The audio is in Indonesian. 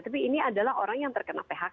tapi ini adalah orang yang terkena phk